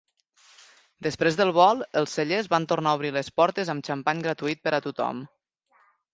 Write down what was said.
Després del vol, els cellers van tornar a obrir les portes amb xampany gratuït per a tothom.